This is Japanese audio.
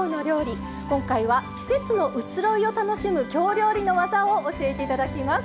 今回は季節の移ろいを楽しむ京料理の技を教えていただきます。